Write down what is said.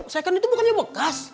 second itu bukannya bekas